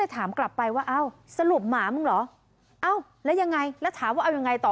ถามกลับไปว่าเอ้าสรุปหมามึงเหรอเอ้าแล้วยังไงแล้วถามว่าเอายังไงต่อ